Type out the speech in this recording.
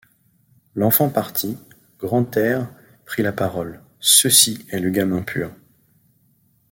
L’enfant parti, Grantaire prit la parole :— Ceci est le gamin pur.